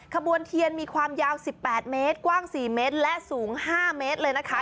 ขบวนเทียนมีความยาว๑๘เมตรกว้าง๔เมตรและสูง๕เมตรเลยนะคะ